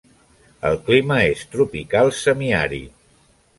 El clima és tropical semiàrid.